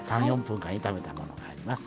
３４分間炒めたものがあります。